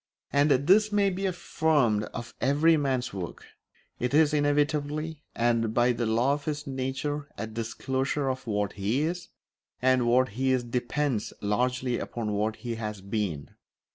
And this may be affirmed of every man's work; it is inevitably, and by the law of his nature, a disclosure of what he is, and what he is depends largely upon what he has been.